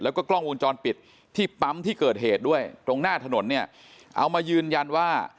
แล้วก็กล้องวงจรปิดที่ปั๊มที่เกิดเหตุด้วยตรงหน้าถนนเนี่ยเอามายืนยันว่า